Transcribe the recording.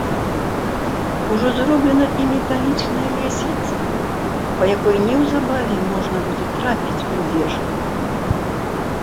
Ужо зроблена і металічная лесвіца, па якой неўзабаве можна будзе трапіць у вежу.